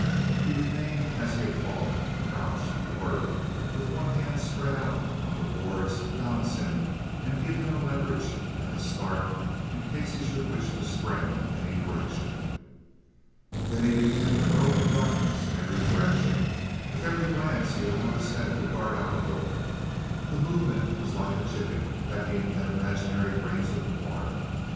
He remained as he had fallen; crouched, alert, with one hand spread out on the boards to balance him and give him a leverage and a start in case he should wish to spring in any direction. Then he began to probe the darkness in every direction; with every glance he allowed his head to dart out a little. The movement was like a chicken pecking at imaginary grains of corn.